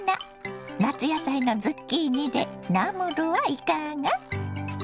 夏野菜のズッキーニでナムルはいかが。